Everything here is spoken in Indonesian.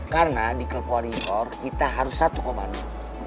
karena di klub wario kita harus satu komando